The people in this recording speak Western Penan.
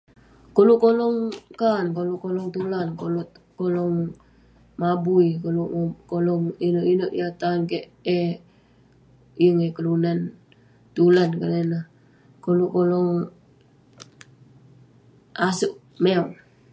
Koluk kolong kaan, koluk kolong tulan, koluk kolong mabui, koluk ko- kolong inouk inouk tan kek eh yeng eh kelunan. Tulan konak ineh, koluk kolong asouk, mew.